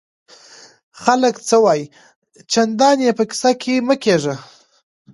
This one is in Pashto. خلک څه وایي؟ چندان ئې په کیسه کي مه کېږه!